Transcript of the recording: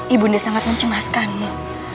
ibu nda sangat mencemaskanmu